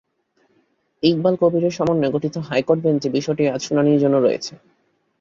ইকবাল কবীরের সমন্বয়ে গঠিত হাইকোর্ট বেঞ্চে বিষয়টি আজ শুনানির জন্য রয়েছে।